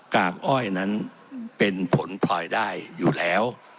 กากอ้อยนั้นเป็นผลพลอยได้อยู่แล้ว